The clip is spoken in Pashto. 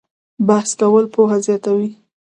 بحث کول پوهه زیاتوي؟